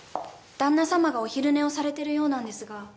旦那様がお昼寝をされてるようなんですが